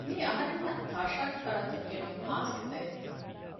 މިއީ އަހަރެންނަށް ތާޝާގެ ފަރާތުން ފެނުން އާ ސިފައެއް